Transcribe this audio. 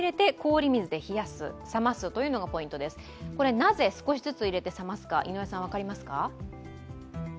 なぜ少しずつ入れて冷ますか分かりますか？